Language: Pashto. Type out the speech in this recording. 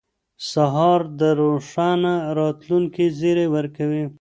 سهار د روښانه راتلونکي زیری ورکوي.